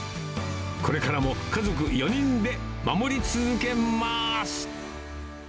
これからも家族４人で守り続けます。